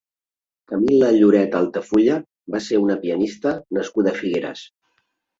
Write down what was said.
Camil·la Lloret Altafulla va ser una pianista nascuda a Figueres.